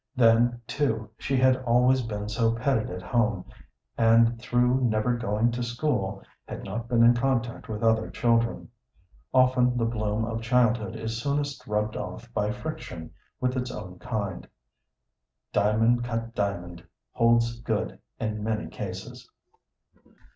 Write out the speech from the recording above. Then, too, she had always been so petted at home, and through never going to school had not been in contact with other children. Often the bloom of childhood is soonest rubbed off by friction with its own kind. Diamond cut diamond holds good in many cases.